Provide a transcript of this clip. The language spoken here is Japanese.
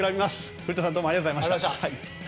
古田さんどうもありがとうございました。